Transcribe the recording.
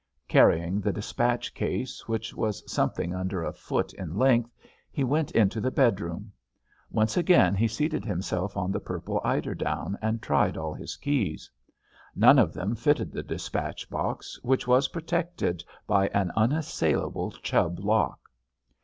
Carrying the dispatch case, which was something under a foot in length, he went into the bedroom. Once again he seated himself on the purple eiderdown and tried all his keys. None of them fitted the dispatch box, which was protected by an unassailable Chubb lock.